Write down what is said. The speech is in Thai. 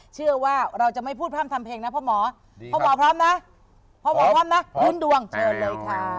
เชื่อว่าเราจะไม่พูดพร่ำทำเพลงนะพ่อหมอพ่อหมอพร้อมนะพ่อหมอพร้อมนะลุ้นดวงเชิญเลยค่ะ